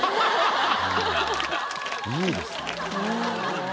いいですね。